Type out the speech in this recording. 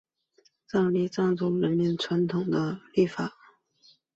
藏历藏族人民的传统历法。